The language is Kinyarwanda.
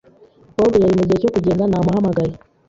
Bob yari mugihe cyo kugenda namuhamagaye.